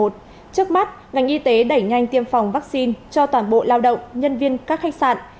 trước mắt ngành y tế đẩy nhanh tiêm phòng vaccine cho toàn bộ lao động nhân viên các khách sạn